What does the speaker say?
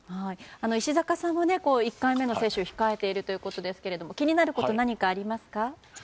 石坂さんは１回目の接種を控えているということですが気になること、何かありますか？